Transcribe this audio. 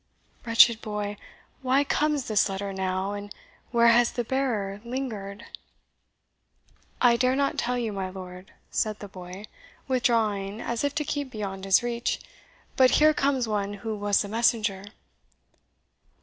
Wretched boy, why comes this letter now, and where has the bearer lingered?" "I dare not tell you, my lord," said the boy, withdrawing, as if to keep beyond his reach; "but here comes one who was the messenger."